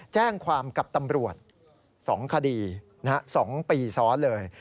แจ้งความกับตำรวจ๒คดี๒ปีซ้อนเลย